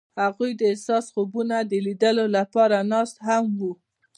هغوی د حساس خوبونو د لیدلو لپاره ناست هم وو.